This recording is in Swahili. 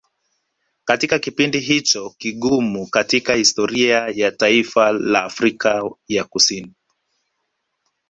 katika kipindi hicho kigumu katika historia ya taifa la Afrika ya kusini